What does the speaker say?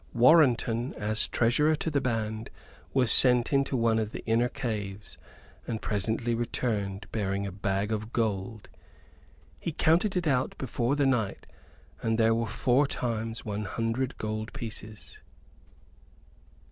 Warrenton, as treasurer to the band, was sent into one of the inner caves, and presently returned, bearing a bag of gold. He counted it out before the knight; and there were four times one hundred golden pieces.